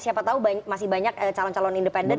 siapa tahu masih banyak calon calon independen